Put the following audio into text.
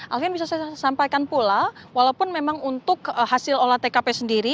alvian bisa saya sampaikan pula walaupun memang untuk hasil olah tkp sendiri